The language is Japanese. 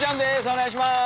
お願いします。